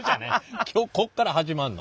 今日こっから始まんの。